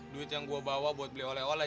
duit yang gue bawa buat beli oleh oleh